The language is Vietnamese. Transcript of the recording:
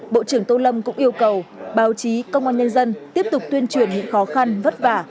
bộ trưởng tô lâm cũng yêu cầu báo chí công an nhân dân tiếp tục tuyên truyền những khó khăn vất vả